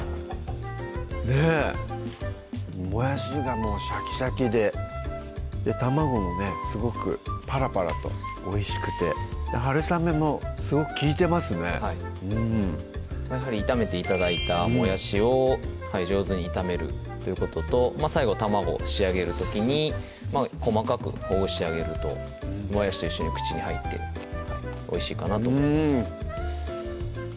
ねっもやしがもうシャキシャキで卵もねすごくパラパラとおいしくてはるさめもすごく利いてますねはいやはり炒めて頂いたもやしを上手に炒めるということと最後卵仕上げる時に細かくほぐしてあげるともやしと一緒に口に入っておいしいかなと思います